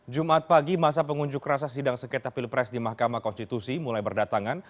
jumat pagi masa pengunjuk rasa sidang sengketa pilpres di mahkamah konstitusi mulai berdatangan